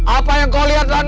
apa yang kau lihat lagi